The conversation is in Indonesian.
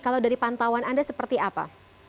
kalau dari pantauan anda seperti apa